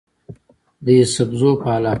د يوسفزو پۀ علاقه کې